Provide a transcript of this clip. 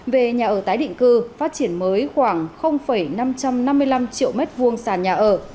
về nhà ở tái định cư phát triển mới khoảng năm trăm năm mươi năm triệu m hai sàn nhà ở